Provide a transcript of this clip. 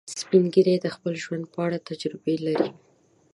سپین ږیری د خپل ژوند په اړه تجربې لري